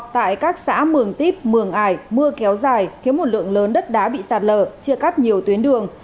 tại các xã mường tiếp mường ải mưa kéo dài khiến một lượng lớn đất đá bị sạt lở chia cắt nhiều tuyến đường